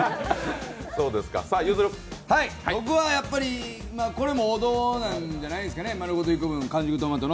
僕はやっぱり、これも王道なんじゃないですかね。